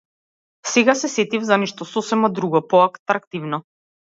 Сега се сетив за нешто сосема друго, поатрактивно.